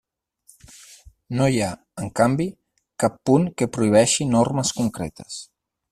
No hi ha, en canvi, cap punt que prohibeixi normes concretes.